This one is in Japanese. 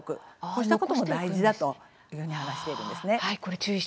こうしたことも大事だというふうに話しているんですね。